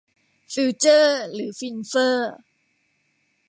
ฟิวเจอร์หรือฟินเฟร่อ